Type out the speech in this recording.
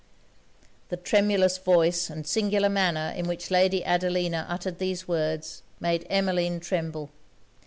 The tremulous voice and singular manner in which Lady Adelina uttered these words, made Emmeline tremble.